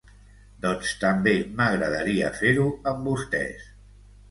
Doncs també m’agradaria fer-ho amb vostès.